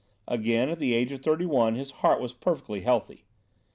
Again, at the age of thirty one, his heart was perfectly healthy.